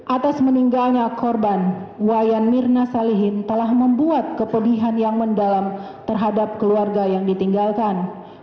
atas meninggalnya korban wayan mirna salihin telah membuat kepedihan yang mendalam terhadap keluarga yang ditinggalkan